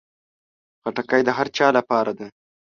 خټکی د هر چا لپاره ده.